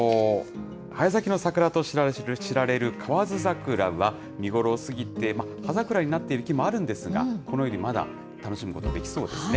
早咲きの桜として知られる河津桜は見頃を過ぎて、葉桜になっている木もあるんですが、このようにまだ楽しむことができそうですね。